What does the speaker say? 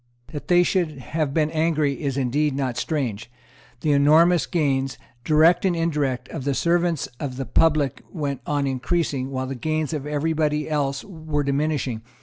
That they should have been angry is indeed not strange. The enormous gains, direct and indirect, of the servants of the public went on increasing, while the gains of every body else were diminishing.